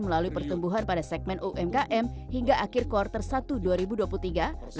melalui pertumbuhan pada segmen umkm hingga akhir kuartal satu dua ribu dua puluh tiga